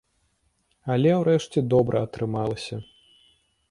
Але ўрэшце добра атрымалася.